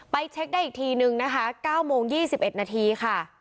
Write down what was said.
ไปเช็คได้อีกทีหนึ่งนะคะเก้าโมงยี่สิบเอ็ดนาทีค่ะ